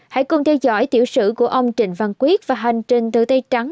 hãy cùng theo dõi tiểu sử của ông trịnh văn quyết và hành trình từ tây trắng